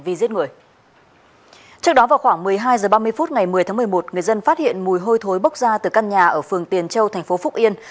trước đó vào khoảng một mươi hai h ba mươi phút ngày một mươi tháng một mươi một người dân phát hiện mùi hôi thối bốc ra từ căn nhà ở phường tiền châu thành phố phúc yên